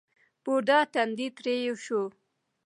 بوډا تندی ترېو شو.